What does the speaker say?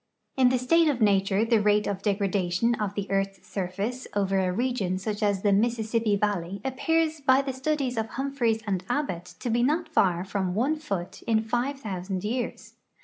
In the state of nature the rate of degradation of the earth's surface over a region such as the Mississippi valley appears by the studies of Humphries and Abbot to be not far from one foot in five thousand years.